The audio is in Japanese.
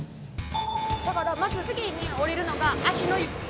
だからまず次に降りるのが芦之湯？